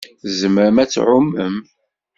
Tzemrem ad tɛumem?